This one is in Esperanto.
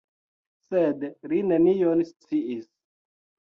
Sed li nenion sciis.